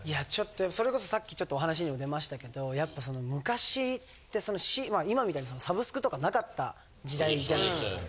それこそさっきちょっとお話にも出ましたけどやっぱその昔って今みたいにサブスクとかなかった時代じゃないですか。